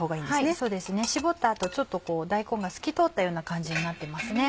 そうですね絞った後大根が透き通った感じになってますね。